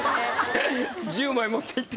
１０枚持って行って。